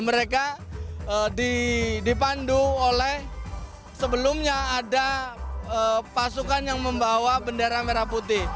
mereka dipandu oleh sebelumnya ada pasukan yang membawa bendera merah putih